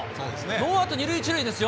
ノーアウト２塁１塁ですよ。